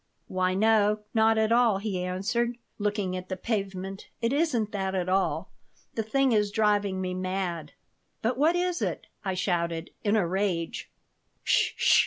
"Why, no. Not at all," he answered, looking at the pavement. "It isn't that at all. The thing is driving me mad." "But what is it?" I shouted, in a rage "'S sh!"